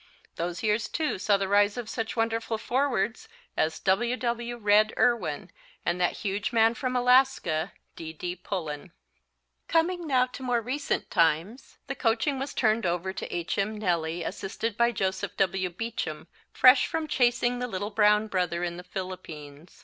Those years too saw the rise of such wonderful forwards as W. W. (Red) Erwin and that huge man from Alaska, D. D. Pullen. Coming now to more recent times, the coaching was turned over to H. M. Nelly, assisted by Joseph W. Beacham, fresh from chasing the little brown brother in the Philippines.